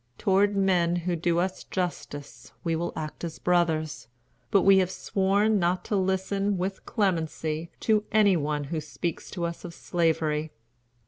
Toward men who do us justice we will act as brothers. But we have sworn not to listen with clemency to any one who speaks to us of Slavery.